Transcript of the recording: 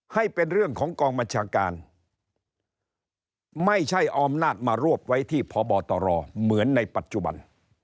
ให้เป็นเรื่องของกองบัญชาการไม่ใช่เอาอำนาจมารวบไว้ที่พบตรเหมือนในปัจจุบัน